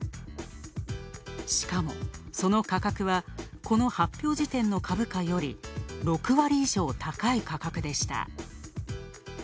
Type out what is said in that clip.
しかも、その価格はこの発表時点の株価より６割以上高い価格でした。